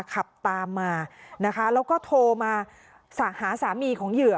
ขับตามมานะคะแล้วก็โทรมาหาสามีของเหยื่อ